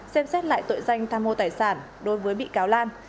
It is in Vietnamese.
xem xét lại tội danh tham mô tài sản đối với bị cáo lan